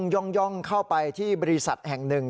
ย่องเข้าไปที่บริษัทแห่งหนึ่ง